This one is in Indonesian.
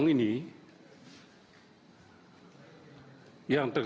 kemudian yang dibawa